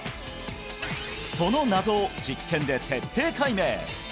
その謎を実験で徹底解明！